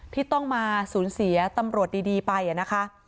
ที่ต้องมาสูญเสียตำรวจดีไปนะคะ